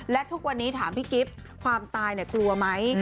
และทุกวันนี้ถามพี่กิฟต์ความตายกลัวไหม